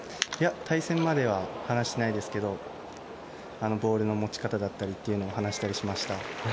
対戦までは話してないですけどボールの持ち方だったりを話したりしました。